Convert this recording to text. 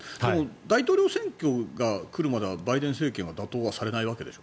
大統領選挙が来るまではバイデン政権は打倒はされないわけでしょ？